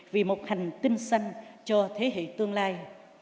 vì một hành tinh xanh cho thế hệ tương lai